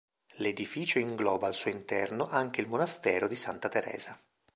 L'edificio ingloba al suo interno anche il monastero di Santa Teresa.